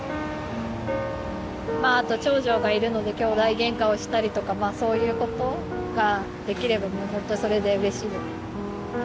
あと長女がいるのできょうだいゲンカをしたりとかそういうことができればもう本当にそれでうれしいですね。